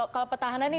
kalau petahana nih